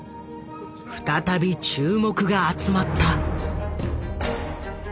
再び注目が集まった。